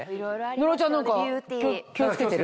野呂ちゃん何か気を付けてる？